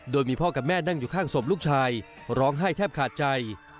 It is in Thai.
โดยมีพ่อกับแม่นั่งอยู่ข้างศพลูกชายร้องไห้แทบขาดใจ